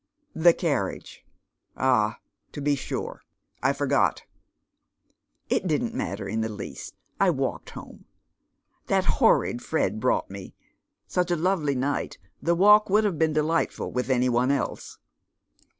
" The carriage ? ah, to be sure. I forgot." " It didn't matter in the least I walked home. That honi lOS Dead Men's Shoed. Fred brought me. Such a lovely night, the walk would have been delightful with any one else."